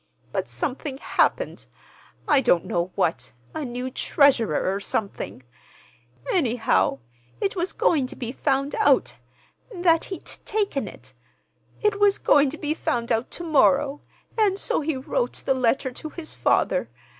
But something happened—I don't know what—a new treasurer, or something: anyhow, it was going to be found out—that he'd taken it. It was going to be found out to morrow, and so he wrote the letter to his father.